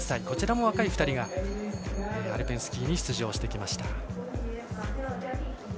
こちらも若い２人がアルペンスキーに出場してきました。